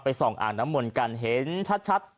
ส่องอ่างน้ำมนต์กันเห็นชัด